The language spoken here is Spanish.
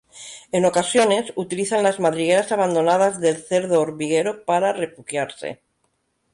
En ocasiones, utilizan las madrigueras abandonadas del cerdo hormiguero para refugiarse.